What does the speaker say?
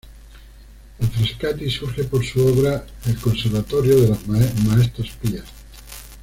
En Frascati surge por su obra el "Conservatorio de las Maestras Pías".